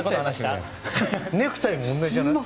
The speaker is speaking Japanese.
ネクタイも同じじゃない？